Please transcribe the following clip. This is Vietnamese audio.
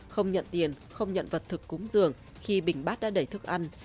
không nhận tiền không nhận vật thực cúng giường khi bình bát đã đẩy thức ăn